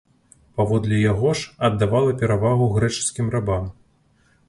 Паводле яго ж, аддавала перавагу грэчаскім рабам.